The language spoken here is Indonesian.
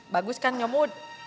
bagus kan nyamud